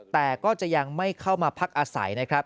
แต่ก็จะยังไม่เข้ามาพักอาศัยนะครับ